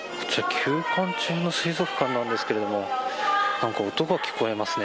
休館中の水族館なんですけれども、なんか音が聞こえますね。